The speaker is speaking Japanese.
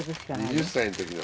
２０歳の時の。